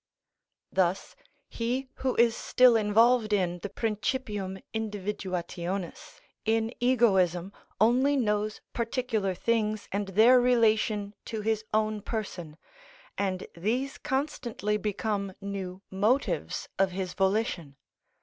Thus he who is still involved in the principium individuationis, in egoism, only knows particular things and their relation to his own person, and these constantly become new motives of his volition.